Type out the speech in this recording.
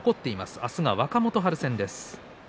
明日は若元春戦です。